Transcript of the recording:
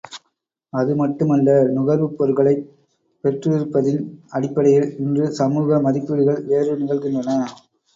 அதுமட்டுமல்ல, நுகர்வுப்பொருள்களைப் பெற்றிருப்பதின் அடிப்படையில் இன்று சமூக மதிப்பீடுகள் வேறு நிகழ்கின்றன.